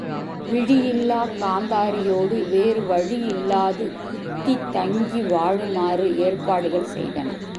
விழியில்லாக் காந்தாரியோடு வேறு வழி இல்லாது குத்தி தங்கி வாழுமாறு ஏற்பாடுகள் செய்தனர்.